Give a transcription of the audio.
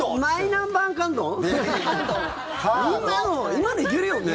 今のいけるよね？